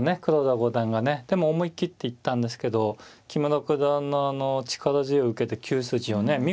黒田五段がねでも思い切って行ったんですけど木村九段のあの力強い受けで９筋をね